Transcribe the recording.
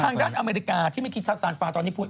ทางด้านอเมริกาที่ไม่คิดซาสานฟาตอนนี้พูด